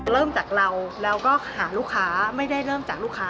เริ่มจากเราแล้วก็หาลูกค้าไม่ได้เริ่มจากลูกค้า